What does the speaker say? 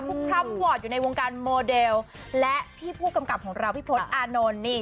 พร้ำวอร์ดอยู่ในวงการโมเดลและพี่ผู้กำกับของเราพี่พศอานนท์นี่